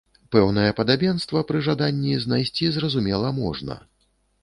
Пэўнае падабенства пры жаданні знайсці, зразумела, можна.